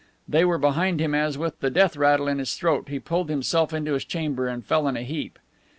They were behind him as, with the death rattle in his throat, he pulled himself into his chamber and fell in a heap.